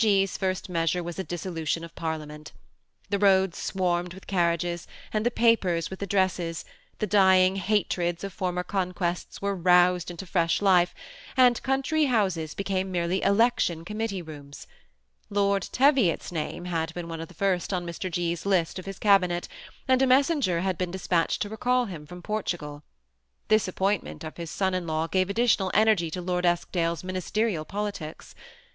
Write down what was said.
G.'s first measure was a dissolution of Parlia ment. The roads swarmed with carriages, and the papers with addresses, the dying hatreds of former con tests were roused into fresh life, and country houses became merely election committee rooms. Lord Te viot's name had been one of the first on Mr. G.'s list of his cabinet, and a messenger had been dispatched to recall him from Portugal. This appointment of his son in law gave additional energy to Lord Eskdale's ministerial politics.